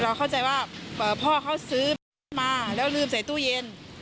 เข้าใจว่าพ่อเขาซื้อรถมาแล้วลืมใส่ตู้เย็น